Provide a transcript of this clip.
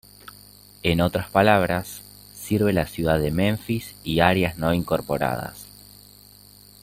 En otras palabras, sirve la Ciudad de Memphis y áreas no incorporadas.